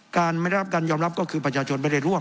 ไม่ได้รับการยอมรับก็คือประชาชนไม่ได้ร่วม